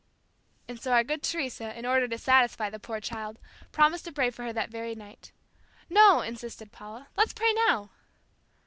And so our good Teresa, in order to satisfy the poor child, promised to pray for her that very night. "No," insisted Paula, "let's pray now."